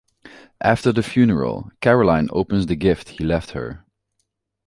After the funeral, Caroline opens the gift he left her.